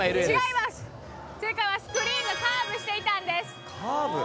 正解はスクリーンがカーブしていたんです。